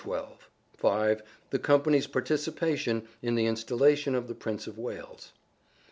(5) The company's participation in the in stallation of the Prince of Wales.